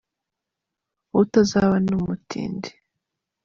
Utazaba umutindi.